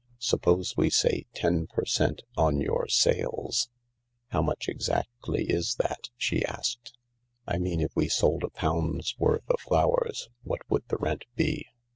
" Suppose we say ten per cent, on your sales ?"" How much exactly is that ?" she asked. " I mean, if we sold a pound's worth of flowers, what would the rent be?"